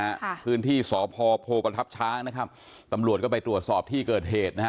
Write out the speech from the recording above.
ค่ะพื้นที่สพโพประทับช้างนะครับตำรวจก็ไปตรวจสอบที่เกิดเหตุนะฮะ